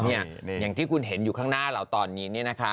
อย่างที่คุณเห็นอยู่ข้างหน้าเราตอนนี้